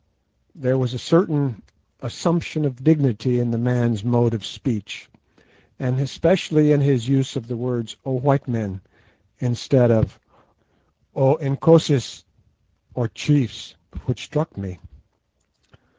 There was a certain assumption of dignity in the man's mode of speech, and especially in his use of the words "O white men," instead of "O Inkosis," or chiefs, which struck me.